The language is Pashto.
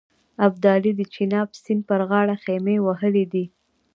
ابدالي د چیناب سیند پر غاړه خېمې وهلې دي.